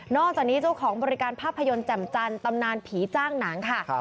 อกจากนี้เจ้าของบริการภาพยนตร์แจ่มจันทร์ตำนานผีจ้างหนังค่ะ